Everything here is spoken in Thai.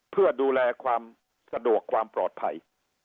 เพื่อดูแลความสะดวกความปลอดภัย